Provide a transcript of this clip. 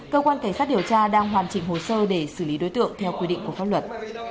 cơ quan cảnh sát điều tra đang hoàn chỉnh hồ sơ để xử lý đối tượng theo quy định của pháp luật